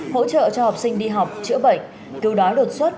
hỗ trợ cho học sinh đi học chữa bệnh cứu đói đột xuất